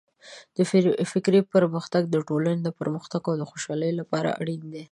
د فکري پرمختګ د ټولنې د پرمختګ او خوشحالۍ لپاره اړین دی.